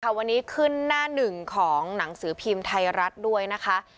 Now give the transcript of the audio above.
วันนี้ขึ้นหน้าหนึ่งของหนังสือพิมพ์ไทยรัฐด้วยนะคะ